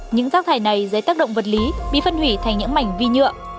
những rác thải này dưới tác động vật lý bị phân hủy thành những mảnh vi nhựa